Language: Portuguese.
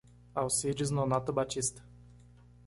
Alcides Nonato Batista